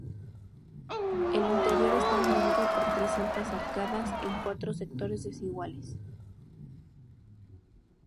El interior está dividido por tres altas arcadas en cuatro sectores desiguales.